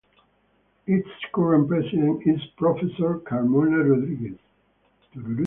Its current president is Professor Carmona Rodrigues.